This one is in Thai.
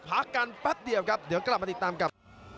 พักกันแป๊บเดียวครับเดี๋ยวกลับมาติดตามกับ